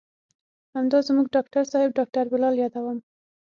همدا زموږ ډاکتر صاحب ډاکتر بلال يادوم.